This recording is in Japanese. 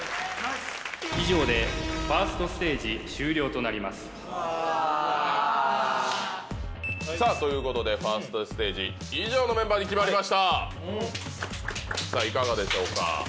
以上でファーストステージ終了となりますああさあということでファーストステージ以上のメンバーに決まりましたさあいかがでしょうか？